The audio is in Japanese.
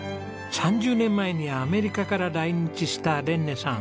３０年前にアメリカから来日したレンネさん。